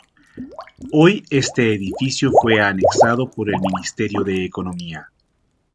Hoy este edificio fue anexado por el Ministerio de Economía.